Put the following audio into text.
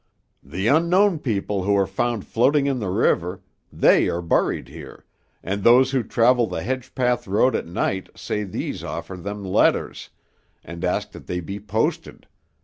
"The unknown people who are found floating in the river; they are buried here, and those who travel the Hedgepath road at night say these offer them letters, and ask that they be posted.